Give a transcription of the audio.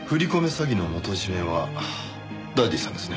詐欺の元締はダディさんですね。